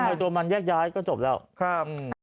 มันให้ตัวมันแยกย้ายก็จบแล้วครับอืม